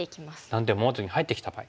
断点を守らずに入ってきた場合。